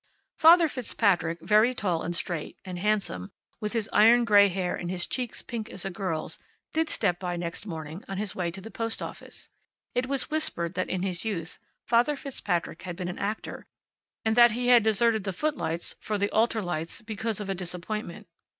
Father Fitzpatrick, very tall and straight, and handsome, with his iron gray hair and his cheeks pink as a girl's, did step by next morning on his way to the post office. It was whispered that in his youth Father Fitzpatrick had been an actor, and that he had deserted the footlights for the altar lights because of a disappointment.